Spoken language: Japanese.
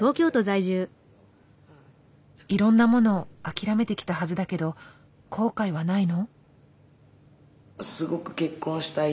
いろんなもの諦めてきたはずだけど後悔はないの？